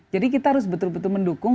jadi kita harus betul betul mendukung